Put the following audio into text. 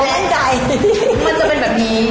มันจะเป็นแบบนี้